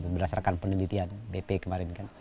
berdasarkan penelitian bp kemarin